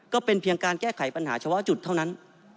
ก็เป็นเพียงการแก้ไขปัญหาเฉพาะจุดเท่านั้น